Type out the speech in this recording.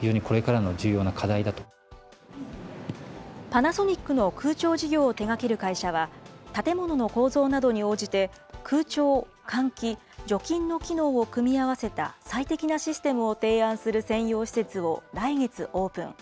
パナソニックの空調事業を手がける会社は、建物の構造などに応じて、空調、換気、除菌の機能を組み合わせた、最適なシステムを提案する専用施設を来月オープン。